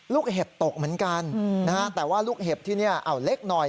เห็บตกเหมือนกันนะฮะแต่ว่าลูกเห็บที่นี่เล็กหน่อย